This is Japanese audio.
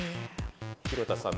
廣田さん